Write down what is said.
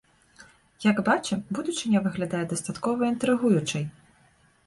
Як бачым, будучыня выглядае дастаткова інтрыгуючай.